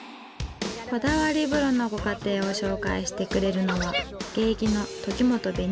こだわり風呂のご家庭を紹介してくれるのは芸妓の登喜本紅緒さん